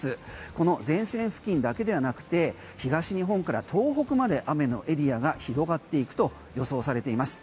この前線付近だけではなくて東日本から東北まで雨のエリアが広がっていくと予想されています。